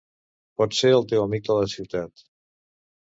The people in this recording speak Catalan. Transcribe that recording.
Potser el teu amic de la ciutat.